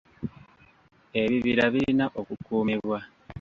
Ebibira birina okukuumibwa.